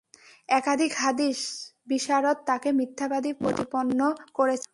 একাধিক হাদীস বিশারদ তাকে মিথ্যাবাদী প্রতিপন্ন করেছেন।